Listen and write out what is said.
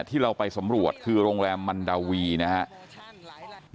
ที่เราไปสำรวจคือโรงแรมมันดาวีนะครับ